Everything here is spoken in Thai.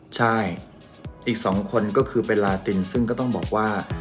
ใช่อีก๒คนก็คือเบลาตินซึ่งก็ต้องบอกว่า